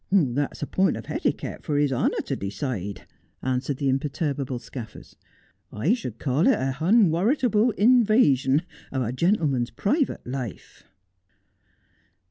'That's a pint of heliquelte for liis honour to decide,' an 58 Just as I Am. swered the imperturbable Scaffers. ' I should call it a bun warrantable invasion of a gentleman's private life.'